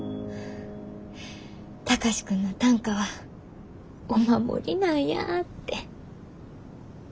貴司君の短歌はお守りなんやって。